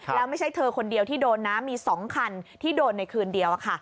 แล้วไม่ใช่เธอคนเดียวที่โดนนะมี๒คันที่โดนในคืนเดียว